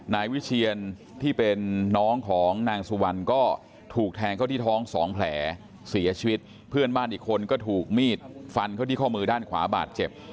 นายวิเชียนที่เป็นน้องของนางสุวรรณก็ถูกแทงเข้าที่ท้องสองแผลเสียชีวิตเพื่อนบ้านอีกคนก็ถูกมีดฟันเข้าที่ข้อมือด้านขวาบาดเจ็บ